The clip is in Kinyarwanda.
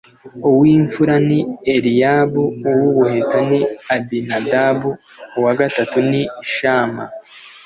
uw’imfura ni Eliyabu, uw’ubuheta ni Abinadabu, uwa gatatu ni Shama.